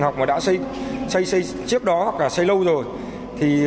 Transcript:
trường học đã xây dựng trước đó hoặc xây lâu rồi